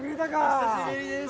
お久しぶりです。